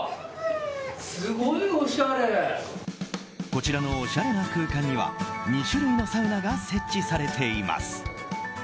こちらのおしゃれな空間には２種類のサウナが設置されています。